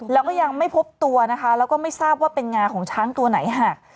แล้วก็ยังไม่พบตัวนะคะแล้วก็ไม่ทราบว่าเป็นงาของช้างตัวไหนหัก